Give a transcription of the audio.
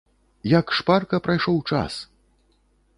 Як шпарка прайшоў час!